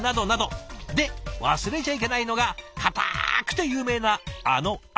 で忘れちゃいけないのがかたくて有名なあのアイス。